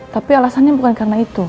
tapi alasannya bukan karena itu